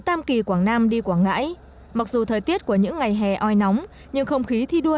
tam kỳ quảng nam đi quảng ngãi mặc dù thời tiết của những ngày hè oi nóng nhưng không khí thi đua